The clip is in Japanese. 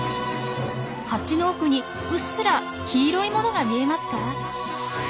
ハチの奥にうっすら黄色いものが見えますか？